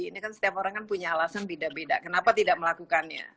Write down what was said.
ini kan setiap orang kan punya alasan beda beda kenapa tidak melakukannya